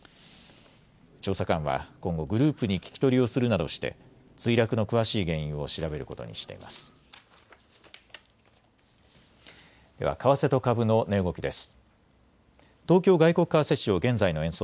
調査官は今後グループに聞き取りをするなどして墜落の詳しい原因を調べることにしています。